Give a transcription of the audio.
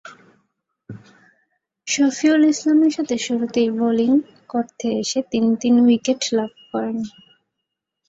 শফিউল ইসলামের সাথে শুরুতেই বোলিং করতে এসে তিনি তিন উইকেট লাভ করেন।